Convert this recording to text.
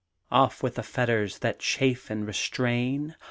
Off with the fetters That chafe and restrain!